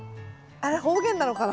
あれ方言なのかな？